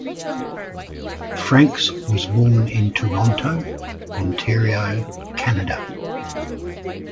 Francks was born in Toronto, Ontario, Canada.